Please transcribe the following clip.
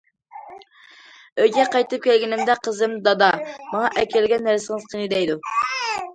ئۆيگە قايتىپ كەلگىنىمدە قىزىم:‹‹ دادا، ماڭا ئەكەلگەن نەرسىڭىز قېنى؟›› دەيدۇ.